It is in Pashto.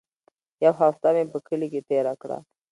يوه هفته مې په کلي کښې تېره کړه.